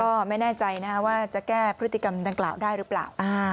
ก็ไม่แน่ใจว่าจะแก้พฤติกรรมดังกล่าวได้หรือเปล่า